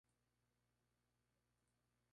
Su nombre, significa "Señor de los cielos".